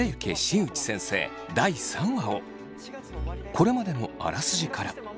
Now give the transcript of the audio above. これまでのあらすじから。